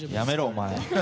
お前。